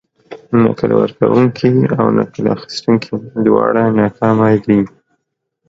نکل ورکونکي او نکل اخيستونکي دواړه ناکامه دي.